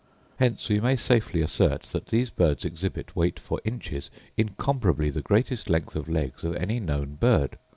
Hence we may safely assert that these birds exhibit, weight for inches, incomparably the greatest length of legs of any known bird.